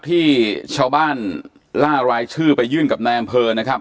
ที่ชาวบ้านล่ารายชื่อไปยื่นกับนายอำเภอนะครับ